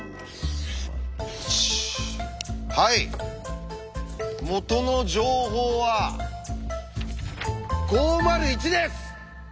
はい元の情報は「５０１」です！